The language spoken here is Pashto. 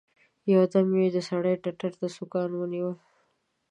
يو دم يې د سړي ټتر ته سوکان ونيول.